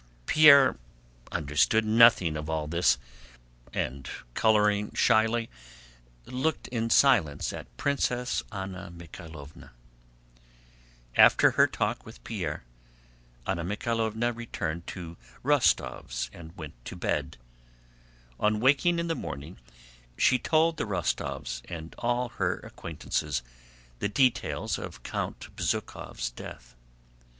Pierre understood nothing of all this and coloring shyly looked in silence at Princess Anna Mikháylovna. After her talk with Pierre, Anna Mikháylovna returned to the Rostóvs' and went to bed. On waking in the morning she told the Rostóvs and all her acquaintances the details of Count Bezúkhov's death.